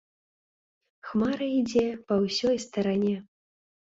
Хмарай ідзе па ўсёй старане.